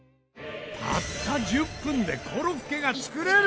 たった１０分でコロッケが作れる？